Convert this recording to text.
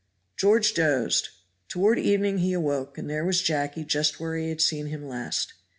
George dozed. Toward evening he awoke, and there was Jacky just where he had seen him last.